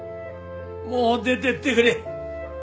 もう出ていってくれ。